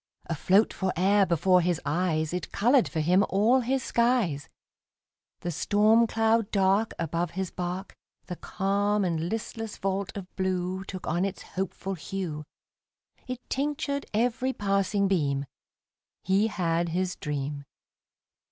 Afloat fore'er before his eyes, It colored for him all his skies: The storm cloud dark Above his bark, The calm and listless vault of blue Took on its hopeful hue, It tinctured every passing beam He had his dream.